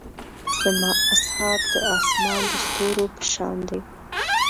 زما اصحاب د اسمان د ستورو پۀ شان دي.